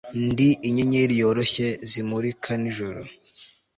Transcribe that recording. ndi inyenyeri yoroshye zimurika nijoro